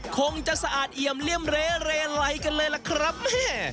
คงจะสะอาดเอี่ยมเลี่ยมเรไลกันเลยล่ะครับแม่